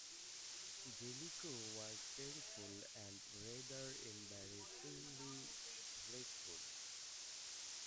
Jellicoe was cheerful, and rather embarrassingly grateful.